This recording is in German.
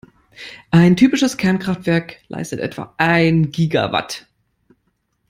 Ein typisches Kernkraftwerk leistet etwa ein Gigawatt.